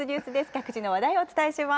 各地の話題をお伝えします。